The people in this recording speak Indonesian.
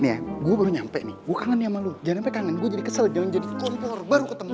nih gue baru nyampe nih gue kangen ya sama lo jangan sampai kangen gue jadi kesel jangan jadi kompor baru ketemu